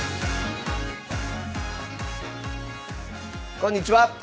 こんにちは。